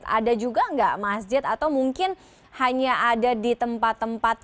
tempat ibadah mencari masjid ada juga enggak masjid atau mungkin hanya ada di tempat tempat